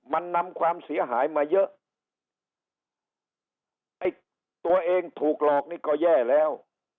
มันนำความเสียหายมาเยอะไอ้ตัวเองถูกหลอกนี่ก็แย่แล้ว